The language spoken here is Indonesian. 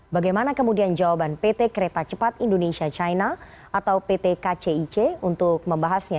bagaimana kemudian jawaban pt kereta cepat indonesia china atau pt kcic untuk membahasnya